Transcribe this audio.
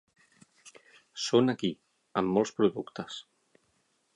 Són aquí, amb molts productes!